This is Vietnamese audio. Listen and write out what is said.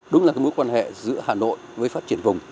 đúng là cái mối quan hệ giữa hà nội với phát triển vùng